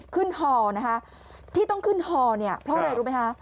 ขึ้นฮอล์นะฮะที่ต้องขึ้นฮอล์เนี่ยเพราะอะไรรู้ไหมฮะ